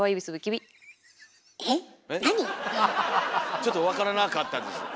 ちょっと分からなかったです。